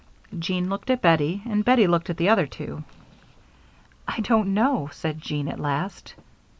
Jean looked at Bettie, and Bettie looked at the other two. "I don't know," said Jean, at last.